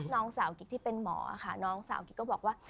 น้องสาวกิ๊กที่เป็นหมอค่ะน้องสาวกิ๊กก็บอกว่า